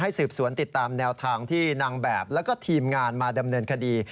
สืบสวนติดตามแนวทางที่นางแบบแล้วก็ทีมงานมาดำเนินคดี